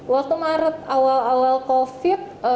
waktu maret awal awal covid sembilan belas